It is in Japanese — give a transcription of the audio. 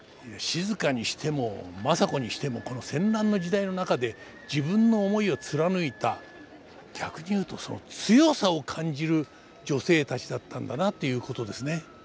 静にしても政子にしてもこの戦乱の時代の中で自分の思いを貫いた逆に言うとその強さを感じる女性たちだったんだなっていうことですね。